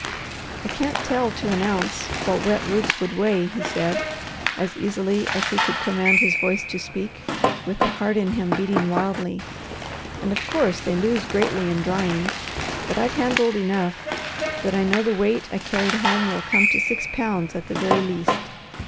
"I can't tell to an ounce what wet roots would weigh," he said as easily as he could command his voice to speak with the heart in him beating wildly, "and of course they lose greatly in drying; but I've handled enough that I know the weight I carried home will come to six pounds at the very least.